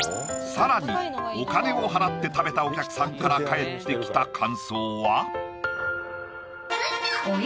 更にお金を払って食べたお客さんから返ってきた感想は？